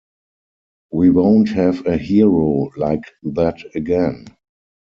We won't have a hero like that again!